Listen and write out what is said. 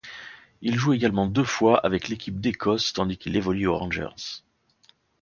Il joue également deux fois avec l'équipe d'Écosse tandis qu'il évolue aux Rangers.